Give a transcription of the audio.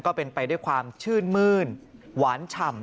ก็เป็นไปด้วยความชื่นมื้นหวานฉ่ำ